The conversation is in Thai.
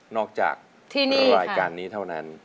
อกจากรายการนี้เท่านั้น